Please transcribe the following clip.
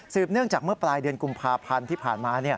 เนื่องจากเมื่อปลายเดือนกุมภาพันธ์ที่ผ่านมา